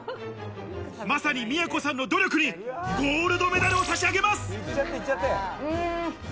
まさに都さんの努力にゴールドメダルを差し上げます。